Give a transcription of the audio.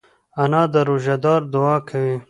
انا د روژهدار دعا کوي